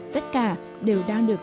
tất cả đều đang được